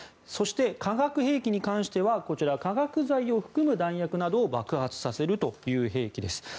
そして、化学兵器に関してはこちら、化学剤を含む弾薬などを爆発させるという兵器です。